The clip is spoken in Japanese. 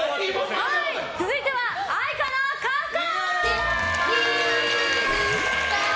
続いては愛花のカフカ！